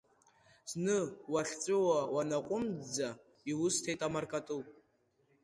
Зны уахьҵәуа уанаҟәымҵӡа, иусҭеит амыркатыл.